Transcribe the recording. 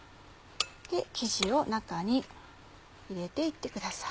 生地を中に入れて行ってください。